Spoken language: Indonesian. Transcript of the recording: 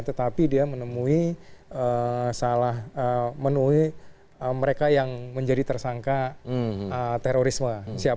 tetapi dia menemui salah menuhi mereka yang menjadi tersangka terorisme